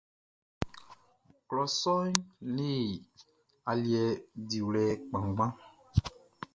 Klɔ sɔʼn le aliɛ diwlɛ kpanngban.